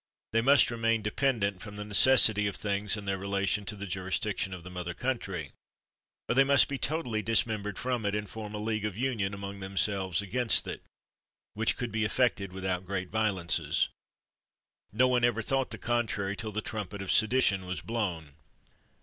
They must remain dependent, from the necessity of things and their relation to the jurisdiction of the mother country; or they must be totally dis membered from it and form a league of union among themselves against it, which could be effected without great violences. No one ever 2?,6 MANSFIELD thought the contrary till the trumpet of sedi tion was blown.